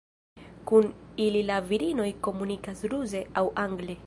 Kun ili la virinoj komunikas ruse aŭ angle.